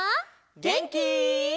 げんき？